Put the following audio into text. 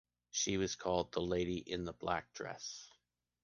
She was called “The Lady in the Black Dress”.